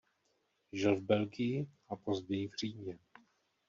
Žil v Belgii a později v Římě.